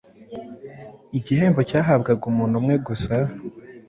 igihembo cyahabwaga umuntu umwe gusa.